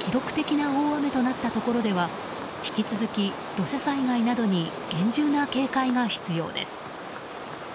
記録的な大雨となったところでは引き続き土砂災害などに厳重な警戒が必要です。